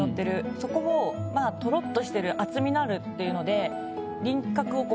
そこをとろっとしてる厚みのあるっていうので。